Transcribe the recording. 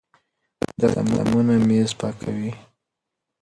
دا سیستمونه مېز پاکوي.